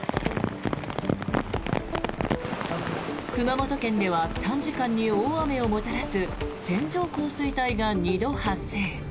熊本県では短時間に大雨をもたらす線状降水帯が２度発生。